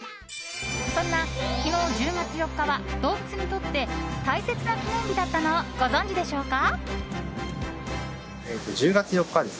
そんな昨日、１０月４日は動物にとって大切な記念日だったのをご存じでしょうか。